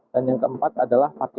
dan yang keempat adalah pvu